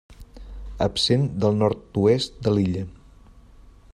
Absent del nord-oest de l'illa.